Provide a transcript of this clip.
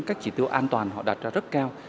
các chỉ tiêu an toàn họ đặt ra rất cao